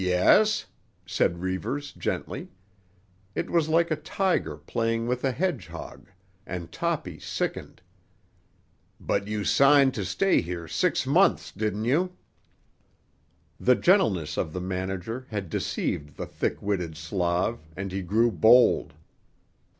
"Yes?" said Reivers gently. It was like a tiger playing with a hedgehog, and Toppy sickened. "But you signed to stay here six months, didn't you?" The gentleness of the Manager had deceived the thick witted Slav and he grew bold.